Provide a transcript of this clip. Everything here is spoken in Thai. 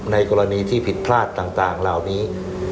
ในกรณีที่ผิดพลาดต่างเหล่านี้